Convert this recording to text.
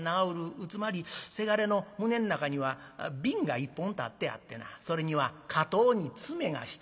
つまりせがれの胸の中には瓶が一本立ってあってなそれには固うに詰めがしてある。